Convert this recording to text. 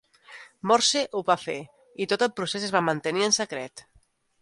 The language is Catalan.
Morse ho va fer, i tot el procés es va mantenir en secret.